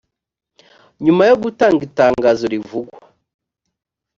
nyuma yo gutanga itangazo rivugwa